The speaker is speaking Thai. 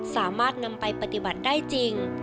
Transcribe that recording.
สามารถนำไปปฏิบัติได้จริง